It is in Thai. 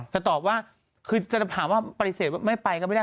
จะตอบว่าคือจะถามว่าปฏิเสธว่าไม่ไปก็ไม่ได้